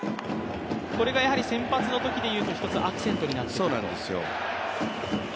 これが先発のときでいうと１つアクセントになってくる。